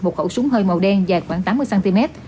một khẩu súng hơi màu đen dài khoảng tám mươi cm